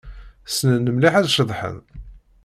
Ssnen mliḥ ad ceḍḥen.